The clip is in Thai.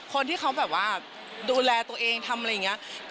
คนที่เขาแบบว่าดูแลตัวเองทำอะไรอย่างนี้